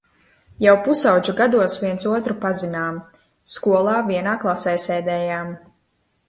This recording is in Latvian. Jau pusaudžu gados viens otru pazinām, skolā vienā klasē sēdējām.